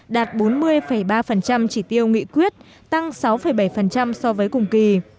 đạt bốn mươi ba chỉ tiêu nghị quyết tăng sáu bảy so với cùng kỳ